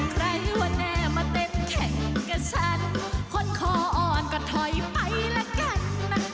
ใครว่าแน่มาเต้นแข่งกับฉันคนคออ่อนก็ถอยไปละกันนะ